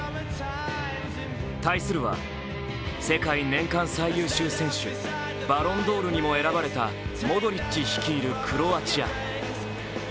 対するは、世界年間最優秀選手バロンドールにも選ばれたモドリッチ率いるクロアチア。